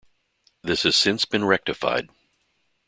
This has since been rectified.